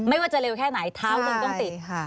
ไม่ว่าจะเร็วแค่ไหนเท้าคุณต้องติด